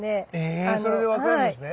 えそれで分かるんですね？